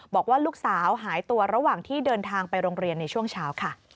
บอกว่าลูกสาวหายตัวระหว่างที่เดินทางไปโรงเรียนในช่วงเช้าค่ะ